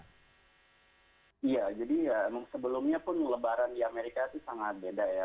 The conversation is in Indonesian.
iya jadi emang sebelumnya pun lebaran di amerika itu sangat beda ya